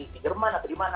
di jerman atau di mana